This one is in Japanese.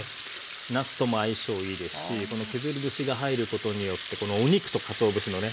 なすとも相性いいですしこの削り節が入ることによってこのお肉とかつお節のね